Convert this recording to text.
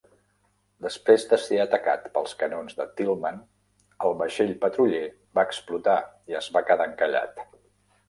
Després de ser atacat pels canons de "Tillman", el vaixell patruller va explotar i es va quedar encallat.